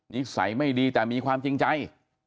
นิสัยไม่ดีแต่มีความจริงใจ